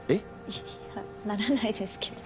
いやならないですけど。